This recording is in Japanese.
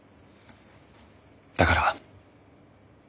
だから。